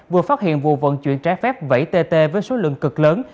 vừa phát hiện vụ vận chuyển trái phép vẩy tt với số lượng cực lớn